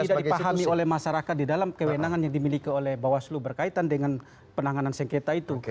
tidak dipahami oleh masyarakat di dalam kewenangan yang dimiliki oleh bawaslu berkaitan dengan penanganan sengketa itu